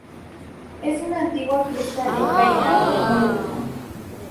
Es una antigua fiesta de raigambre nórdica.